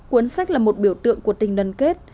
cuốn sách là một biểu tượng của tình đoàn kết